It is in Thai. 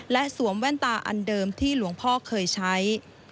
และสวมแว่นตาอันเดิมที่หลวงพ่อเคยใช้